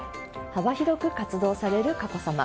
幅広く活動される佳子さま。